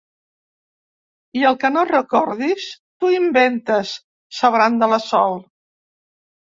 I el que no recordis, t'ho inventes —s'abranda la Sol—.